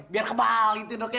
biar kebal gitu dok